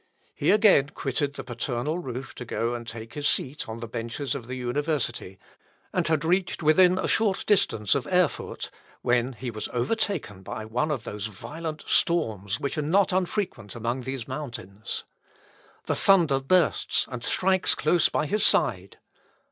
He again quitted the paternal roof to go and take his seat on the benches of the university, and had reached within a short distance of Erfurt, when he was overtaken by one of those violent storms which are not unfrequent among these mountains. The thunder bursts, and strikes close by his side.